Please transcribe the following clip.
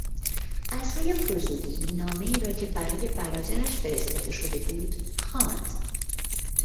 از روی فضولی نامهای را که برای برادرش فرستاده شده بود خواند.